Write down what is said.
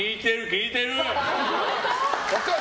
効いてる！